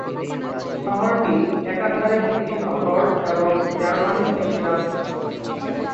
শহরটি একাধারে একটি শহর এবং জার্মানির একটি রাজ্য।